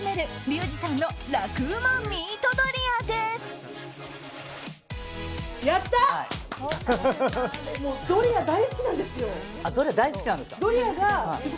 ミートドリアです。